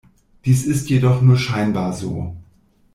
Dies ist jedoch nur scheinbar so.